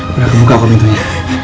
beda kebuka aku pintunya